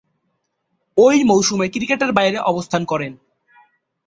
ঐ মৌসুমে ক্রিকেটের বাইরে অবস্থান করেন।